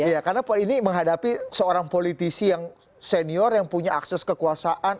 iya karena ini menghadapi seorang politisi yang senior yang punya akses kekuasaan